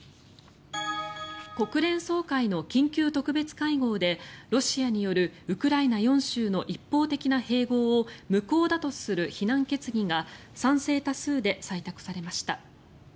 国連総会の緊急特別会合でロシアによるウクライナ４州の一方的な併合を無効だとする非難決議が賛成多数で採択されました。